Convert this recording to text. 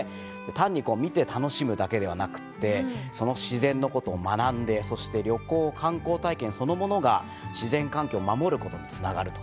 単に見て楽しむだけではなくってその自然のことを学んでそして旅行観光体験そのものが自然環境を守ることにつながると。